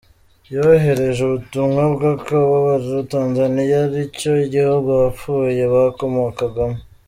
Yoherereje ubutumwa bw’akababaro Tanzania ari cyo gihugu abapfuye bakomokagamo.